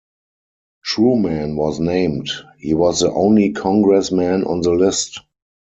Truman was named; he was the only congressman on the list.